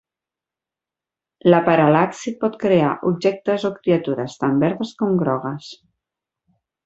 La paral·laxi pot crear objectes o criatures tan verdes com grogues.